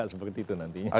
seperti itu nantinya